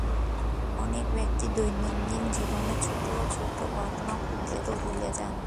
অনেক ব্যক্তি দৈনন্দিন জীবনের ছোট ছোট ঘটনা খুব দ্রুত ভুলে যান।